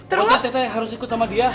ternyata teteh harus ikut sama dia